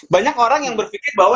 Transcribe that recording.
banyak orang yang berpikir bahwa